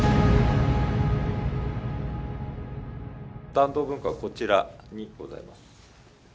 團藤文庫はこちらにございます。